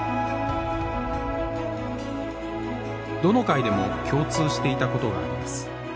どの回でも共通していたことがあります。